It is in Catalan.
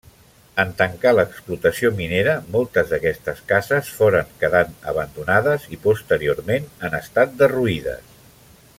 En tancar l'explotació minera moltes d'aquestes cases foren quedant abandonades i posteriorment han estat derruïdes.